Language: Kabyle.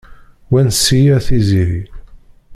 Wanes-iyi a tiziri.